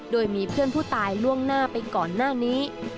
โดยมีเพื่อนผู้ตายล่วงหน้าไปก่อนหน้านี้